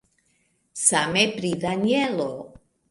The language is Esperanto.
Same pri Danjelo.